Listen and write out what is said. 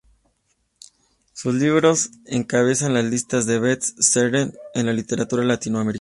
Sus libros encabezan las listas de best sellers de la literatura Latinoamericana.